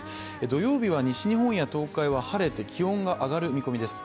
土曜日は西日本や東海は晴れて気温が上がる見込みです。